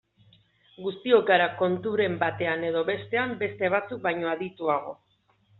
Guztiok gara konturen batean edo bestean beste batzuk baino adituago.